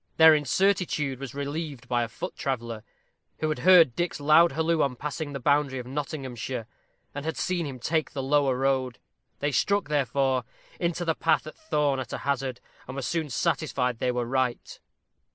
Their incertitude was relieved by a foot traveller, who had heard Dick's loud halloo on passing the boundary of Nottinghamshire, and had seen him take the lower road. They struck, therefore, into the path at Thorne at a hazard, and were soon satisfied they were right.